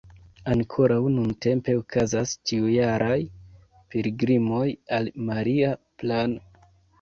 Ankoraŭ nuntempe okazas ĉiujaraj pilgrimoj al Maria Plan.